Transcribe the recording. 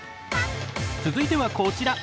続いてはこちら。